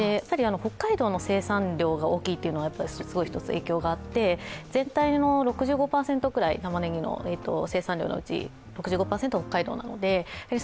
北海道の生産量が大きいというのが１つ影響があって、全体の６５％くらいたまねぎの生産量のうち６５％が北海道なんですね。